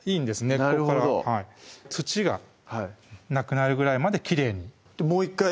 根っこから土がなくなるぐらいまできれいにもう１回？